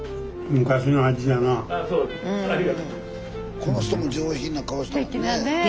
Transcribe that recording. この人も上品な顔しとるねえ。